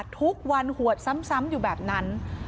ทุกวันหวดซ้ำอยู่แบบนั้น